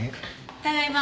ただいま。